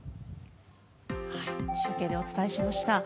中継でお伝えしました。